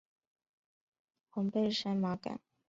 红背山麻杆为大戟科山麻杆属下的一个变种。